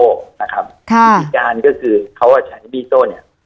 วิธีการก็คือเขาใช้มีดอิโต้